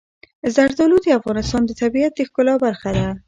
زردالو د افغانستان د طبیعت د ښکلا برخه ده.